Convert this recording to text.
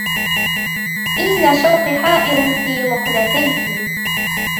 إنّ شوقي حائر في مقلتيك